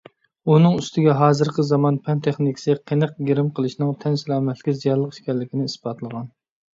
ئۇنىڭ ئۈستىگە، ھازىرقى زامان پەن-تېخنىكىسى قېنىق گىرىم قىلىشنىڭ تەن سالامەتلىككە زىيانلىق ئىكەنلىكىنى ئىسپاتلىغان.